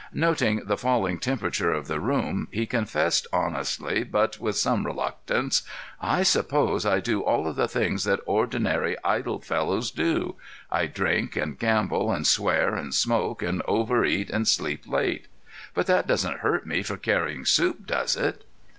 Noting the falling temperature of the room, he confessed honestly, but with some reluctance: "I suppose I do all of the things that ordinary idle fellows do. I drink and gamble and swear and smoke and overeat and sleep late. But that doesn't hurt me for carrying soup, does it?"